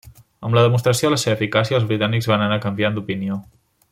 Amb la demostració de la seva eficàcia els britànics van anar canviant d'opinió.